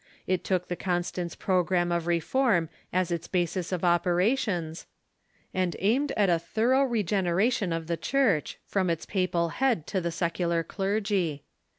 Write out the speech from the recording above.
It took the Constance programme of re form as its basis of operations, and aimed at a thorough Council of regeneration of the Church, from its papal head to the secular clergy.